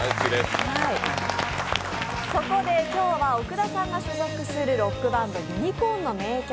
そこで今日は奥田さんが所属するロックバンドユニコーンの名曲